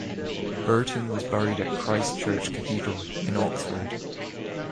Burton was buried at Christ Church Cathedral in Oxford.